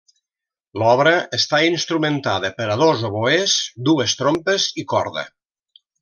L'obra està instrumentada per a dos oboès, dues trompes i corda.